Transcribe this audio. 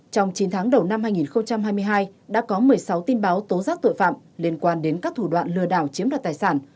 trong chín tháng đầu năm hai nghìn hai mươi hai đã có một mươi sáu tin báo tố giác tội phạm liên quan đến các thủ đoạn lừa đảo chiếm đoạt tài sản